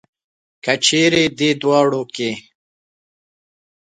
که چېرې دې دواړو کې.